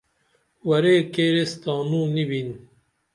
ورے کیر یس تانو نی بین